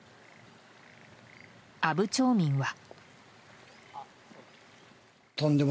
阿武町民は。